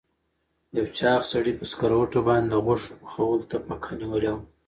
یو چاغ سړي په سکروټو باندې د غوښو پخولو ته پکه نیولې وه.